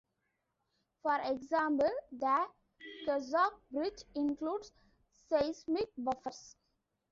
For example, the Kessock Bridge includes seismic buffers.